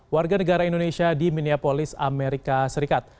warga negara indonesia di minneapolis amerika serikat